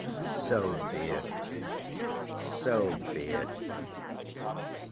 So be it, so be it!